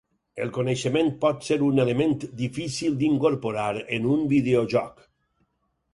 El coneixement pot ser un element difícil d’incorporar en un videojoc.